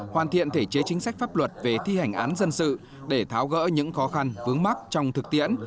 hoàn thiện thể chế chính sách pháp luật về thi hành án dân sự để tháo gỡ những khó khăn vướng mắt trong thực tiễn